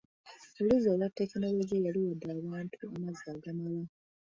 Oluzzi olwa tekinologiya luwadde abantu amazzi agamala.